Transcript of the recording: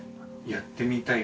やってみたい。